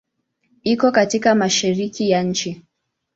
Iko katika Mashariki ya nchi.